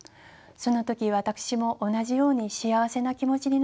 その時私も同じように幸せな気持ちになったのです。